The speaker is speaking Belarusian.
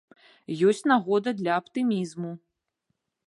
Ёсць нагода для аптымізму.